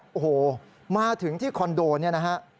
โอ้โหมาถึงที่คอนโดเนี่ยนะฮะ